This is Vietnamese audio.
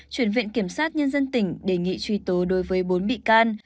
chuyển viện kiểm sát nhân dân tỉnh đề nghị truy tố đối với bốn bị can